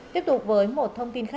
tiếp tục với một thông tin